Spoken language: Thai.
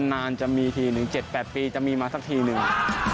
นานจะมีทีหนึ่ง๗๘ปีจะมีมาสักทีหนึ่ง